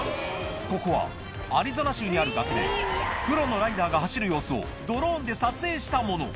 ここはアリゾナ州にある崖でプロのライダーが走る様子をドローンで撮影したもの